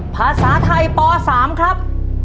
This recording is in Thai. ภาษาไทยป๓ครับ